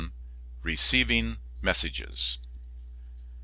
RECEIVING MESSAGES.